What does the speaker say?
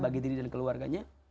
bagi diri dan keluarganya